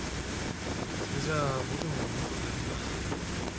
それじゃ僕の方はもっと大変だ。